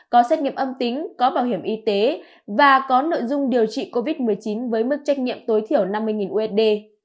có xét nghiệm âm tính có bảo hiểm y tế và có nội dung điều trị covid một mươi chín với mức trách nhiệm tối thiểu năm mươi usd